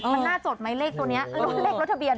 มันน่าจดไหมเลขตัวนี้รถเลขรถทะเบียน